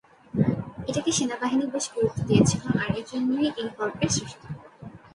এটাকে সেনাবাহিনী বেশ গুরুত্ব দিয়েছিল আর এজন্যই এই গল্পের সৃষ্টি।